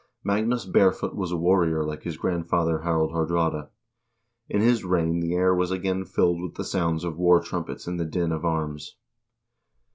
Magnus Barefoot was a warrior like his grandfather Harald Haardraade. In his reign the air was again filled with the sounds of war trumpets and the din of arms.